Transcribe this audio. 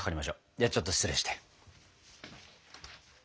ではちょっと失礼して。